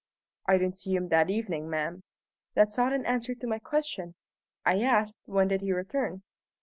"I didn't see him that evening, ma'am." "That's not an answer to my question. I asked, When did he return?"